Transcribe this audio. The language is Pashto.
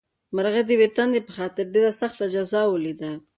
مرغۍ د یوې تندې په خاطر ډېره سخته جزا ولیده.